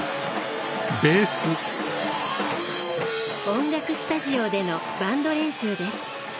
音楽スタジオでのバンド練習です。